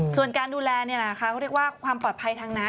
ส่วนการดูแลเขาเรียกว่าความปลอดภัยทางน้ำ